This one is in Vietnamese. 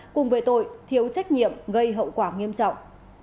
cùng về tội thiếu trách nhiệm gây hậu quả nghiêm trọng